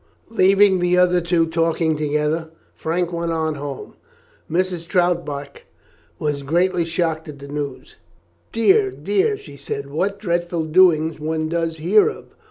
Leaving the other two talking together, Frank went on home. Mrs. Troutbeck was greatly shocked at the news. "Dear, dear!" she said, "what dreadful doings one does hear of.